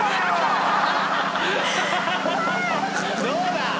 どうだ？